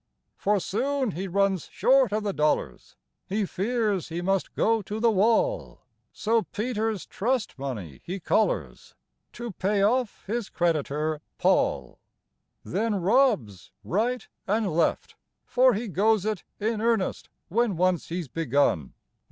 For soon he runs short of the dollars, He fears he must go to the wall; So Peter's trust money he collars To pay off his creditor, Paul; Then robs right and left for he goes it In earnest when once he's begun.